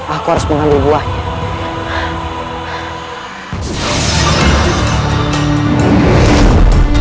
aku harus mengambil buahnya